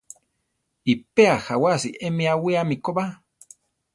Iʼpéa jawási emi awíame ko ba.